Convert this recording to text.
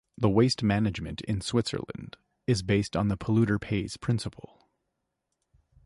The waste management in Switzerland is based on the polluter pays principle.